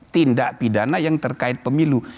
tindak pidana yang terkait pemilu